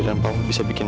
mas prabu sudah selesai